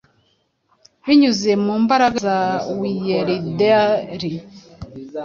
Binyuze mu mbaraga za Wielder